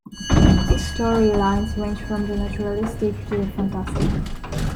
His story lines range from the naturalistic to the fantastic.